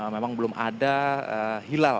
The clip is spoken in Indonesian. memang belum ada hilal